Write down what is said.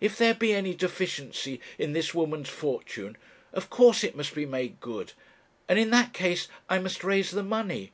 If there be any deficiency in this woman's fortune, of course it must be made good; and in that case I must raise the money.